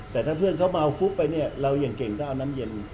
แต่ถ้าเพื่อนเขาเม้าคุบไปเนี่ย